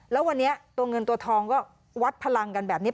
แล้ววันนี้ตัวเงินตัวทองก็วัดพลังกันแบบนี้